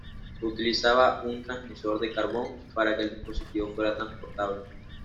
Utilizaba un transmisor de carbón, para que el dispositivo fuera transportable.